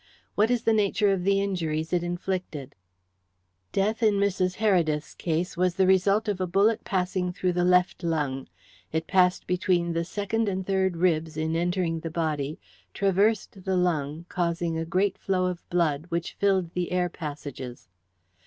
What is the nature of the injuries it inflicted?" "Death in Mrs. Heredith's case was the result of a bullet passing through the left lung. It passed between the second and third ribs in entering the body, traversed the lung, causing a great flow of blood, which filled the air passages."